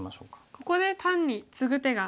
ここで単にツグ手が。